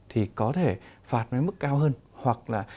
thì có thể phạt với mức cao hơn